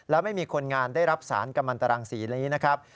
และไม่มีคนงานได้รับสารกำลังตรังสีนี้นะครับ